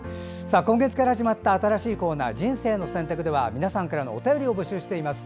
今月から始まった新しいコーナー「人生の選択」では皆さんからのお便りを募集しています。